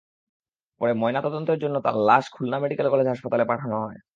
পরে ময়নাতদন্তের জন্য তাঁর লাশ খুলনা মেডিকেল কলেজ হাসপাতালে পাঠানো হয়।